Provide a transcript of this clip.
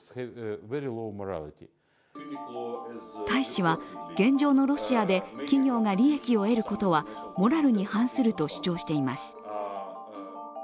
大使は現状のロシアで企業が利益を得ることはモラルに反すると主張しています。